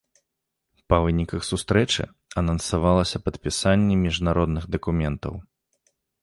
Па выніках сустрэчы анансавалася падпісанне міжнародных дакументаў.